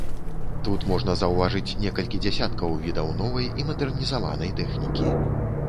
Тут можна заўважыць некалькі дзясяткаў відаў новай і мадэрнізаванай тэхнікі.